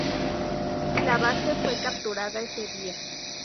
La base fue capturada ese día.